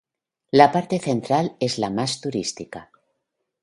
La parte central es la más turística.